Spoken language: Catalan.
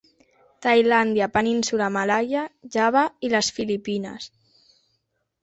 Tailàndia, Península Malaia, Java i les Filipines.